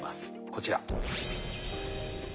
こちら。